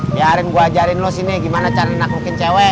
biarin gue ajarin lu sini gimana cara naklukin cewek